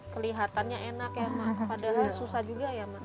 kelihatannya enak ya mak padahal susah juga ya mak